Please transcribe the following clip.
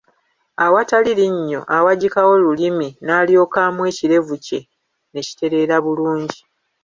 Awatali linnyo awagikawo lulimi nalyoka amwa ekirevu kye ne kitereera bulungi.